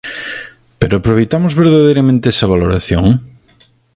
¿Pero aproveitamos verdadeiramente esa valoración?